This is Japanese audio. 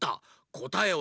こたえは。